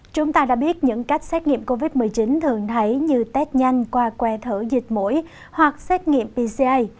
chúng ta đã biết những cách xét nghiệm covid một mươi chín thường thấy như test nhanh qua que thử dịch mũi hoặc xét nghiệm pca